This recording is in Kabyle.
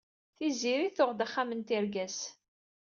Tiziri tuɣed axxam n tirga-s.